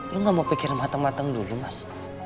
lo gak mau pikir mateng mateng dulu mas